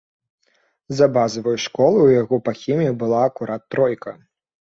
За базавую школу ў яго па хіміі была акурат тройка.